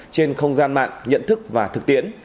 trên không gian mạng nhận thức và thực tiến